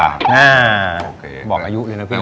อ่าบอกอายุเลยนะเพื่อน